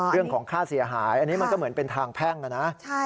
เรื่องของค่าเสียหายอันนี้มันก็เหมือนเป็นทางแพ่งนะ